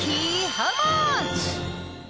ハウマッチ。